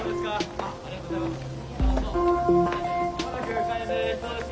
ありがとうございます。